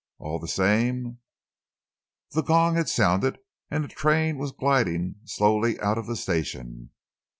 "All the same " The gong had sounded and the train was gliding slowly out of the station.